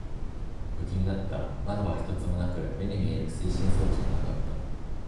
不気味だった。窓は一つもなく、目に見える推進装置もなかった。